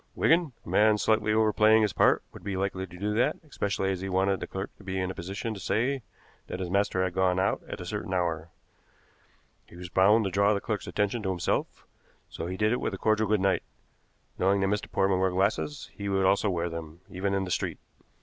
Wigan, a man slightly overplaying his part would be likely to do that, especially as he wanted the clerk to be in a position to say that his master had gone out at a certain hour. He was bound to draw the clerk's attention to himself, so he did it with a cordial good night. Knowing that Mr. Portman wore glasses, he would also wear them, even in the street."